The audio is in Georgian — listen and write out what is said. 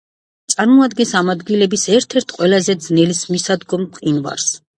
წარმოადგენს ამ ადგილების ერთ-ერთ ყველაზე ძნელმისადგომ მყინვარს.